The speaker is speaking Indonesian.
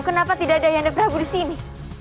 kenapa tidak ada ayahanda prabu disini